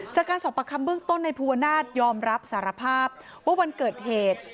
จากการสอบประคำเบื้องต้นในภูวนาศยอมรับสารภาพว่าวันเกิดเหตุ